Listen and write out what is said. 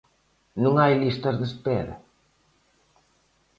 ¿Non hai listas de espera?